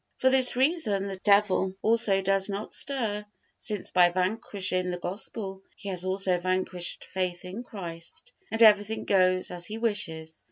For this reason the devil also does not stir, since by vanquishing the Gospel he has also vanquished faith in Christ, and everything goes as he wishes.